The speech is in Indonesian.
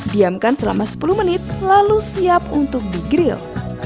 diamkan selama sepuluh menit lalu siap untuk digrill